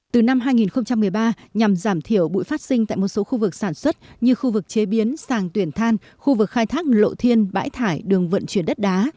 từ năm hai nghìn một mươi ba nhằm giảm thiểu bụi phát sinh tại một số khu vực sản xuất như khu vực chế biến sàng tuyển than khu vực khai thác lộ thiên bãi thải đường vận chuyển đất đá